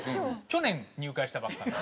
去年入会したばっかの。